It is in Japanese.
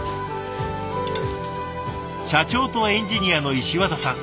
社長とエンジニアの石綿さん。